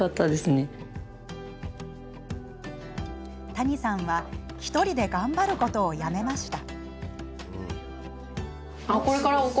谷さんは１人で頑張ることをやめました。